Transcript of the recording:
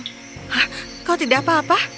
hah kau tidak apa apa